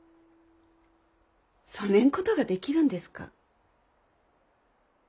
そねんことができるんですか？